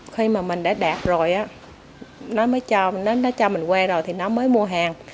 khi mà mình đã đạt rồi nó cho mình quay rồi thì nó mới mua hàng